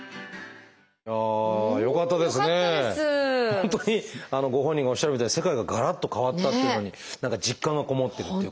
本当にご本人がおっしゃるみたいに世界がガラッと変わったっていうのに何か実感がこもってるっていうかね。